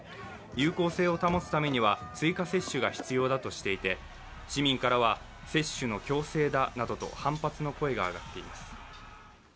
有効性を保つためには追加接種が必要だとしていて市民からは接種の強制だなどと反発の声が上がっています。